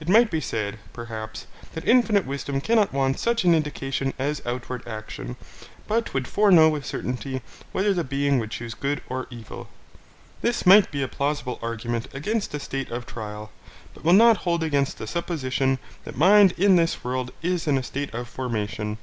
It might be said, perhaps, that infinite Wisdom cannot want such an indication as outward action, but would foreknow with certainly whether the being would choose good or evil. This might be a plausible argument against a state of trial, but will not hold against the supposition that mind in this world is in a state of formation.